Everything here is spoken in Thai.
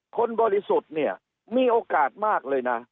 บริสุทธิ์เนี่ยมีโอกาสมากเลยนะ